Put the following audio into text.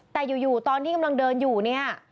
แต่อยู่ตอนที่กำลังเดินอยู่เนี่ย